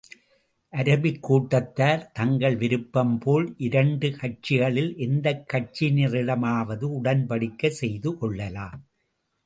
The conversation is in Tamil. அரபிக் கூட்டத்தார் தங்கள் விருப்பம் போல், இரண்டு கட்சிகளில் எந்தக் கட்சியினரிடமாவது உடன்படிக்கை செய்து கொள்ளலாம்.